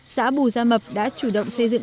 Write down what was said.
xã bù gia mập đã chủ động xây dựng